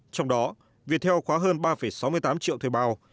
trong đó viettel khóa hơn ba sáu mươi tám triệu thuê bao